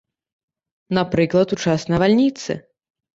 Напрыклад, у час навальніцы.